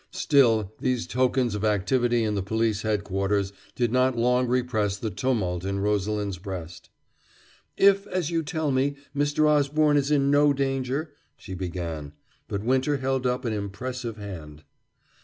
Still, these tokens of activity in the police headquarters did not long repress the tumult in Rosalind's breast. "If, as you tell me, Mr. Osborne is in no danger " she began; but Winter held up an impressive hand.